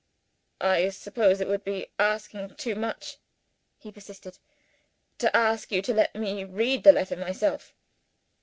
"I suppose it would be asking too much," he persisted, "to ask you to let me read the letter myself?"